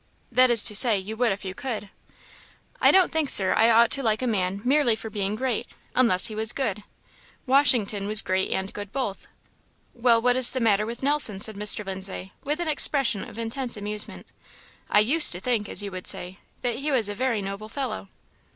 "That is to say, you would if you could?" "I don't think, Sir, I ought to like a man merely for being great, unless he was good. Washington was great and good both." "Well, what is the matter with Nelson?" said Mr. Lindsay, with an expression of intense amusement; "I 'used to think,' as you would say, that he was a very noble fellow."